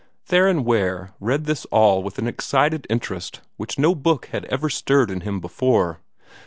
Theron Ware read this all with an excited interest which no book had ever stirred in him before.